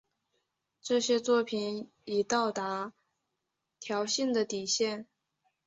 这些作品已到达调性的底线。